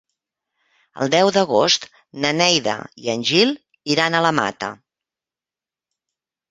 El deu d'agost na Neida i en Gil iran a la Mata.